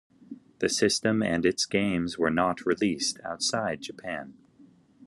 The system and its games were not released outside Japan.